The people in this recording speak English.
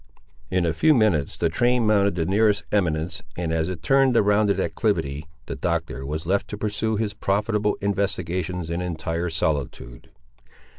In a few minutes the train mounted the nearest eminence, and, as it turned the rounded acclivity, the Doctor was left to pursue his profitable investigations in entire solitude.